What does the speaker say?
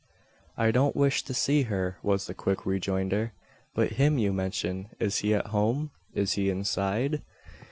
"I don't wish to see her," was the quick rejoinder; "but him you mention. Is he at home? Is he inside?"